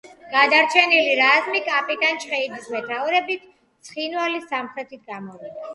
გადარჩენილი რაზმი კაპიტან ჩხეიძის მეთაურობით ცხინვალის სამხრეთით გამოვიდა.